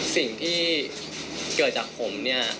สิ่งที่เกิดจากผม